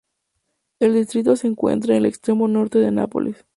El distrito se encuentra en el extremo norte de Nápoles.